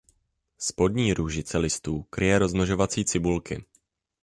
Spodní růžice listů kryje rozmnožovací cibulky.